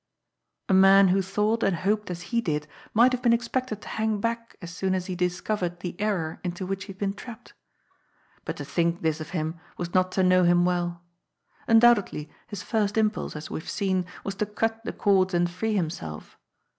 A man who thought and hoped as he did might have been expected to hang back as soon as he discovered the error into which he had been trapped. But to think this of him was not to know him well. Undoubtedly his first impulse, as we have seen, was to cut the cords and free him self.